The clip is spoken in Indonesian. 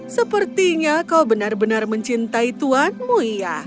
sepertinya kau benar benar mencintai tuanmu iya